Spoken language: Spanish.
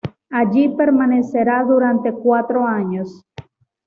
Allí permanecerá durante cuatro años.